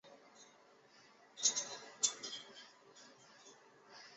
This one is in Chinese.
其后陆续遇到同伴阿帕因及毛美。